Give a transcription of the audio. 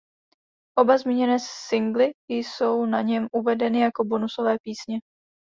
Oba zmíněné singly jsou na něm uvedeny jako bonusové písně.